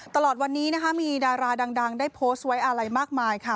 ตลอดวันนี้นะคะมีดาราดังได้โพสต์ไว้อะไรมากมายค่ะ